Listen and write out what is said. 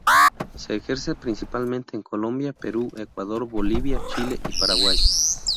Se ejerce principalmente en Colombia, Perú, Ecuador, Bolivia, Chile y Paraguay.